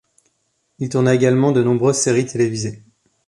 Il tourna également de nombreuses séries télévisées.